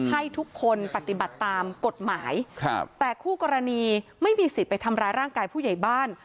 ให้ทุกคนปฏิบัติตามกฎหมายครับแต่คู่กรณีไม่มีสิทธิ์ไปทำร้ายร่างกายผู้ใหญ่บ้าน